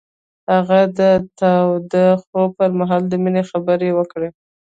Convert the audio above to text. هغه د تاوده خوب پر مهال د مینې خبرې وکړې.